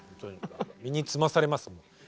身につまされますもん。